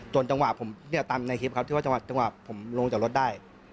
จังหวะผมเนี่ยตามในคลิปครับที่ว่าจังหวะผมลงจากรถได้